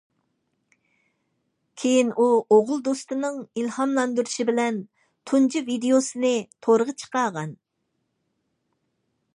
كېيىن ئۇ ئوغۇل دوستىنىڭ ئىلھاملاندۇرۇشى بىلەن تۇنجى ۋىدىيوسىنى تورغا چىقارغان.